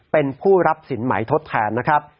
เป็นผู้รับสินใหม่ทดแทนนะครับ